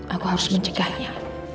aku harus mencegahnya